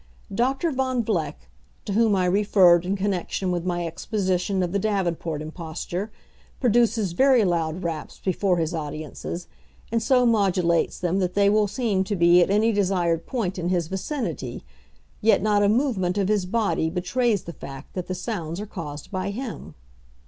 Doctor Von Vleck to whom I referred in connection with my exposition of the Davenport imposture produces very loud "raps" before his audiences, and so modulates them that they will seem to be at any desired point in his vicinity; yet not a movement of his body betrays the fact that the sounds are caused by him.